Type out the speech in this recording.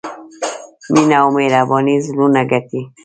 مینه او مهرباني زړونه ګټي.